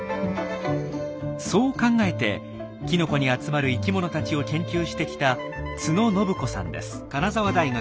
そう考えてきのこに集まる生きものたちを研究してきた都野展子さんです。